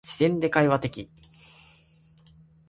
自然で会話的